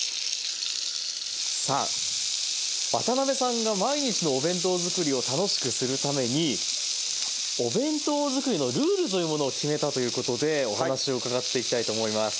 さあ渡辺さんが毎日のお弁当作りを楽しくするためにお弁当作りのルールというものを決めたということでお話を伺っていきたいと思います。